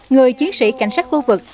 người chiến sĩ cảnh sát khu vực